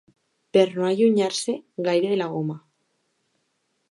Per no allunyar-se gaire de la goma.